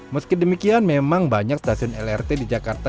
meski demikian memang banyak stasiun lrt di jakarta